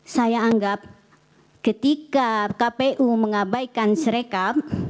saya anggap ketika kpu mengabaikan serekam